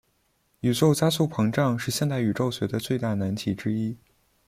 宇宙加速膨胀是现代宇宙学的最大难题之一。